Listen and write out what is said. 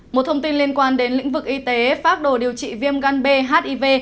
một thông tin liên quan đến lĩnh vực y tế pháp đồ điều trị viêm gan b hiv